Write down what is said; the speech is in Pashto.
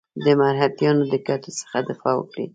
د مرهټیانو د ګټو څخه دفاع وکړي.